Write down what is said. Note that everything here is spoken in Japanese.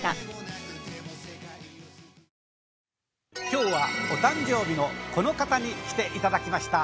今日はお誕生日のこの方に来て頂きました。